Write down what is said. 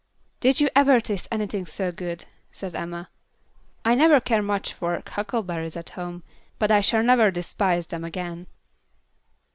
"Did you ever taste anything so good?" said Emma. "I never care much for huckleberries at home, but I shall never despise them again."